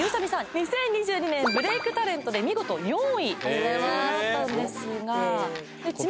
２０２２年ブレイクタレントで見事４位となったんですがありがとうございます